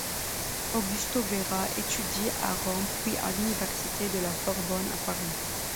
Augusto Vera étudie à Rome, puis à l'université de la Sorbonne, à Paris.